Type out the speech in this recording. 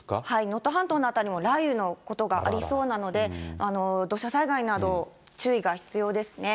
能登半島の辺りも雷雨のことがありそうなので、土砂災害など、注意が必要ですね。